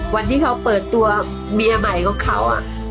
วันที่เขาเปิดตัวเมียใหม่ของเขา